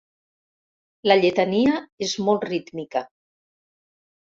La lletania és molt rítmica.